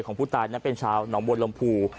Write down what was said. น้ำเป็นชาวหนองบวนลมภูร์